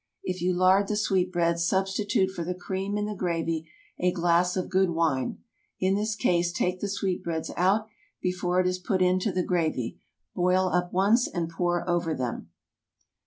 If you lard the sweet breads, substitute for the cream in the gravy a glass of good wine. In this case, take the sweet breads out before it is put into the gravy. Boil up once and pour over them.